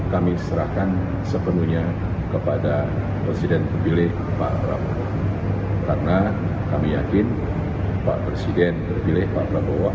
kami serahkan sepenuhnya kepada presiden terpilih pak prabowo karena kami yakin pak presiden terpilih pak prabowo